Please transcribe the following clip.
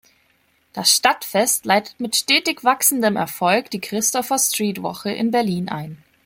Das Stadtfest leitet mit stetig wachsendem Erfolg die Christopher-Street-Woche in Berlin ein.